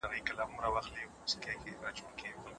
دلته دوې خبري مرادېدلای سي.